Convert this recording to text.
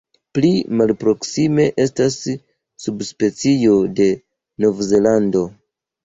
Pli malproksime estas subspecio de Novzelando.